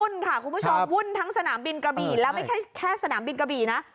ค่ะคุณผู้ชมวุ่นทั้งสนามบินกระบี่แล้วไม่ใช่แค่สนามบินกระบี่นะ